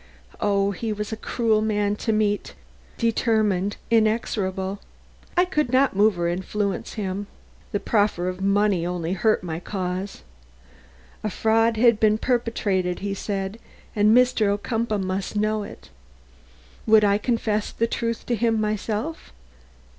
Oh, he was a cruel man to meet, determined, inexorable. I could not move or influence him. The proffer of money only hurt my cause. A fraud had been perpetrated, he said, and Mr. Ocumpaugh must know it. Would I confess the truth to him myself?